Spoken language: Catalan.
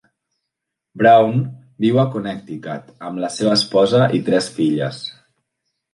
Browne viu a Connecticut amb la seva esposa i tres filles.